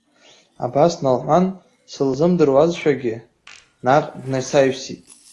Абас налҳәан, сылзымдыруазшәагьы наҟ днасаҩсит.